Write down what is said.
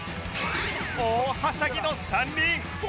大はしゃぎの３人